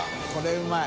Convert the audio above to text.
海うまい。